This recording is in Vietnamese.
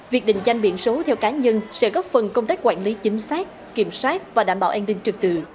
việc định danh biển số theo cá nhân sẽ góp phần công tác quản lý chính xác kiểm soát và đảm bảo an ninh trực tự